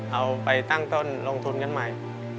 เอาไปตั้งต้นลงทุนกันใหม่